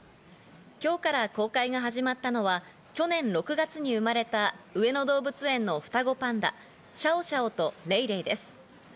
今日から公開が始まったのは去年６月に生まれた上野動物園の双子パンダ、シャオシャオとレイレイです。